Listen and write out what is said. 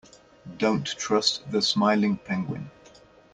Don't trust the smiling penguin.